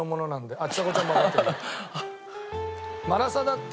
あっちさ子ちゃんも笑ってる。